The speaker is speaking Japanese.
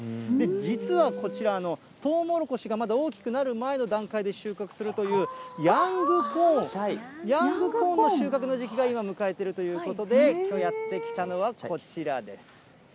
実はこちら、トウモロコシがまだ大きくなる前の段階で収穫するという、ヤングコーン、ヤングコーンの収穫の時期を今、迎えているということで、きょうやって来たのはこちらです。